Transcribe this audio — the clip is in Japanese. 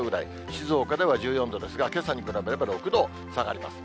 静岡では１４度ですが、けさに比べれば６度下がります。